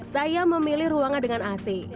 saya memilih ruangan dengan ac